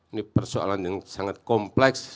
ini persoalan yang sangat kompleks